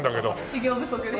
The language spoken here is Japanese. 修行不足で。